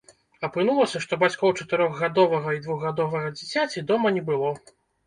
Апынулася, што бацькоў чатырохгадовага і двухгадовага дзіцяці дома не было.